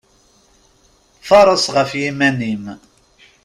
Faṛeṣ ɣef yiman-im!